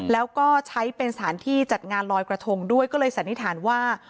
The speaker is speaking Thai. แล้วก็ใช้เป็นสถานที่จัดงานลอยกระทงด้วยก็เลยสันนิษฐานว่า